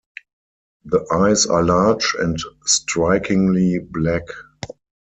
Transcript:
The eyes are large and strikingly black.